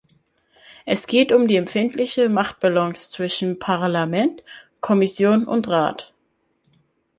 Es geht um die empfindliche Machtbalance zwischen Parlament, Kommission und Rat.